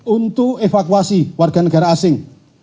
untuk evakuasi warga negara asing